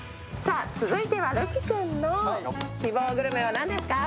続いては瑠姫君の希望グルメは何ですか？